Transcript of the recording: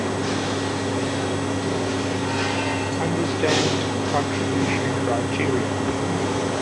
Sudan Airways has its headquarters in Khartoum.